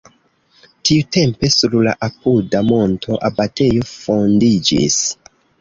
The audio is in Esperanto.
Tiutempe sur la apuda monto abatejo fondiĝis.